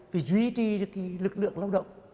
vì duy trì cái lực lượng lao động